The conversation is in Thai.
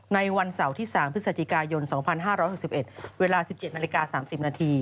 ในวันเสาร์ที่๓พฤศจิกายน๒๕๖๑เวลา๑๗น๓๐น